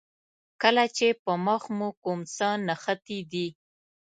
کله چې په مخ مو کوم څه نښتي دي.